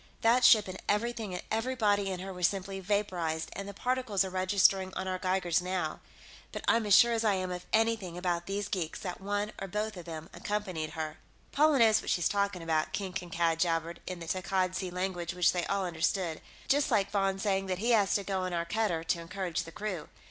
That ship and everything and everybody in her were simply vaporized, and the particles are registering on our geigers now. But I'm as sure as I am of anything about these geeks that one or both of them accompanied her." "Paula knows what she's talking about," King Kankad jabbered in the Takkad Sea language which they all understood. "Just like Von saying that he has to go on our cutter, to encourage the crew.